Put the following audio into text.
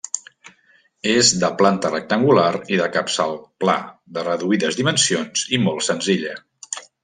És de planta rectangular i de capçal pla, de reduïdes dimensions i molt senzilla.